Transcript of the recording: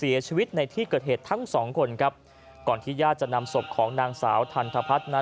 เสียชีวิตในที่เกิดเหตุทั้งสองคนครับก่อนที่ญาติจะนำศพของนางสาวทันทพัฒน์นั้น